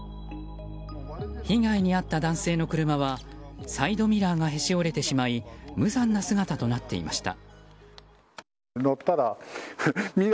被害に遭った男性の車はサイドミラーがへし折れてしまい無残な姿となっていました。